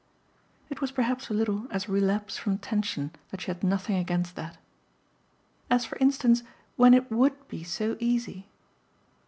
It was perhaps a little as relapse from tension that she had nothing against that. "As for instance when it WOULD be so easy